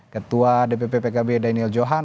ketua dpp pkb daniel johan